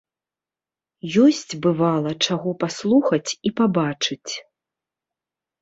Ёсць, бывала, чаго паслухаць і пабачыць.